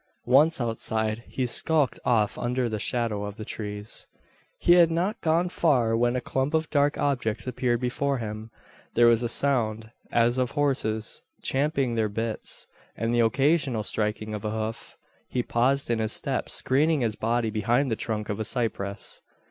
Once outside, he skulked off under the shadow of the trees. He had not gone far when a clump of dark objects appeared before him. There was a sound, as of horses champing their bitts, and the occasional striking of a hoof. He paused in his steps, screening his body behind the trunk of a cypress.